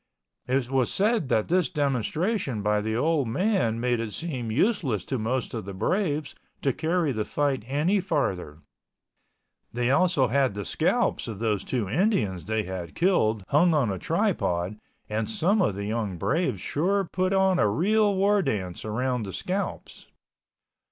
It was said that this demonstration by the old man made it seem useless to most of the braves to carry the fight any farther. They also had the scalps of those two Indians they had killed hung on a tripod and some of the young braves sure put on a real war dance around the scalps.